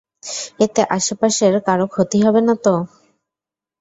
এতে আশেপাশের কারো ক্ষতি হবে নাতো?